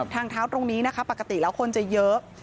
ทางเท้าตรงนี้นะคะปกติแล้วคนจะเยอะ